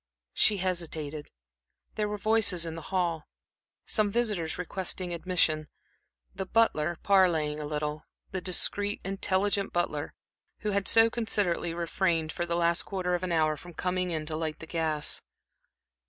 She hesitated. There were voices in the hall, some visitors requesting admission, the butler parleying a little the discreet, intelligent butler, who had so considerately refrained, for the last quarter of an hour, from coming in to light the gas.